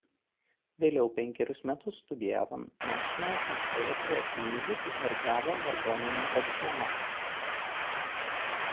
Vėliau penkerius metus studijavo National Conservatory of Music ir gavo vargonininko diplomą.